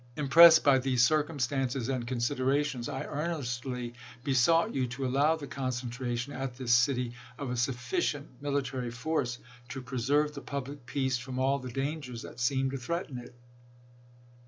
.. Impressed by these circumstances and considerations, I earnestly besought you to allow the concentration at this city of a sufficient military force to preserve the public peace from all the dangers that seemed to threaten it.